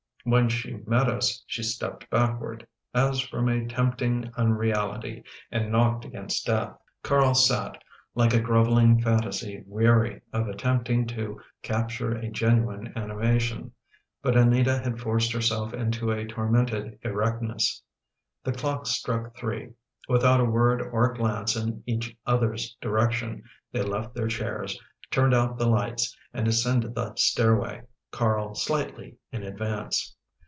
When she met us she stepped backward, as from a tempting unre ality, and knocked against death." Carl sat, like a groveling fantasy weary of attempting to capture a genuine animation, but Anita had forced herself into a tormented erectness. The clock struck three. Without a word or glance in each other's direc tion they left their chairs, turned out the lights, and ascended the stairway, Carl slightly in advance.